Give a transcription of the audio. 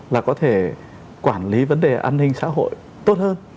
là có thể quản lý vấn đề an ninh xã hội tốt hơn